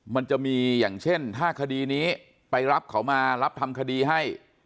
มันจะมีอย่างเช่นถ้าคดีนี้ไปรับเขามารับทำคดีให้